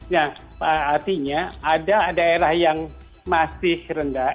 nah artinya ada daerah yang masih rendah